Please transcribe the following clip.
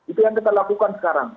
itu yang kita lakukan sekarang